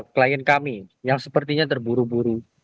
klien kami yang sepertinya terburu buru